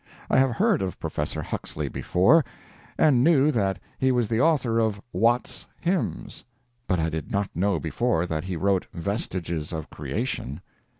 I have heard of Professor Huxley before, and knew that he was the author of Watts's hymns, but I did not know before that he wrote "Vestiges of Creation."